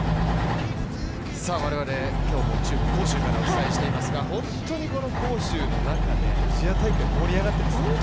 我々今日も中国・杭州からお伝えしていますが、本当にこの杭州の中でアジア大会、盛り上がってます。